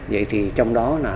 vậy thì trong đó nè